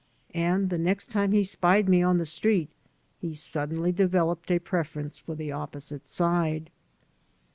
And the next time he spied me on the street he suddenly de veloped a preference for the opposite side.